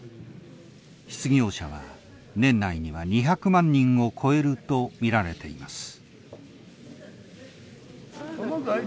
失業者は年内には２００万人を超えると見られています。